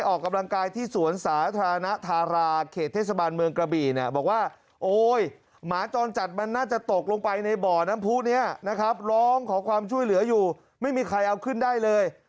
ออกกำลังกายที่สวนสาธารณะธาราเขตเทศบาลเมืองกระบี่เนี่ยบอกว่าโอ๊ยหมาจรจัดมันน่าจะตกลงไปในบ่อน้ำผู้นี้นะครับร้องขอความช่วยเหลืออยู่ไม่มีใครเอาขึ้นได้เลย